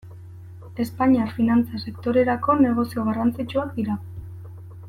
Espainiar finantza sektorerako negozio garrantzitsua dira.